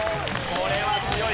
これは強い。